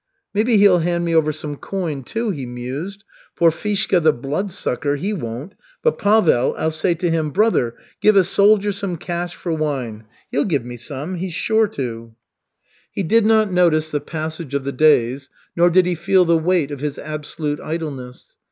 "Maybe he'll hand me over some coin, too," he mused. "Porfishka the Bloodsucker, he won't, but Pavel ... I'll say to him: 'Brother, give a soldier some cash for wine.' He'll give me some. He's sure to." He did not notice the passage of the days, nor did he feel the weight of his absolute idleness.